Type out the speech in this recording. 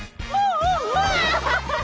うわ！